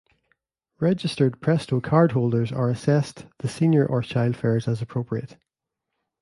Registered Presto card holders are assessed the senior or child fares as appropriate.